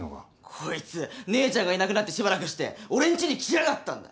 コイツ姉ちゃんがいなくなってしばらくして俺んちに来やがったんだ！